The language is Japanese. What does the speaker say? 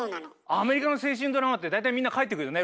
アメリカの青春ドラマって大体みんな帰ってくよね